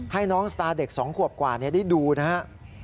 ให้น้องสตาร์เด็ก๒ขวบกว่าได้ดูนะครับ